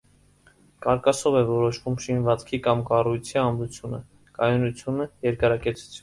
Կարկասով է որոշվում շինվածքի կամ կառույցի ամրությունը, կայունությունը, երկարակեցությունը։